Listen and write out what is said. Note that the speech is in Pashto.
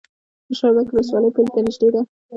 د شورابک ولسوالۍ پولې ته نږدې ده